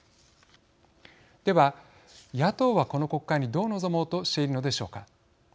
では野党はこの国会にどう臨もうとしているのでしょうか。